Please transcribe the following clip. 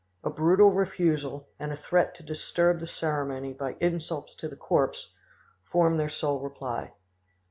A brutal refusal, and a threat to disturb the ceremony by insults to the corpse, formed their sole reply.